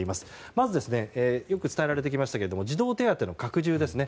まず、よく伝えられてきましたが児童手当の拡充ですね。